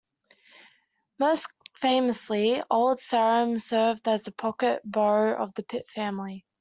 Most famously, Old Sarum served as a pocket borough of the Pitt family.